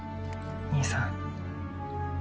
兄さん